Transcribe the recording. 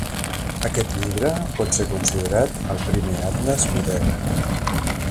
Aquest llibre pot ser considerat el primer atles modern.